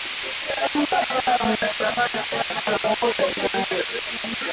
Ngombe wa asili wana uwezo mkubwa kustahimili maambukizi ya kupe